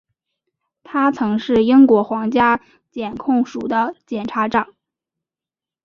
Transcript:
他曾是英国皇家检控署的检察长。